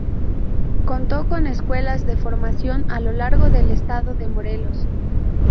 Contó con escuelas de formación a lo largo del estado de Morelos.